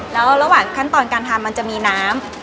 แล้วระหว่างขั้นตอนการทำมันจะมีน้ำ